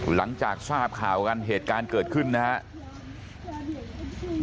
หลังจากทราบข่าวกันเหตุการณ์เกิดขึ้นนะครับ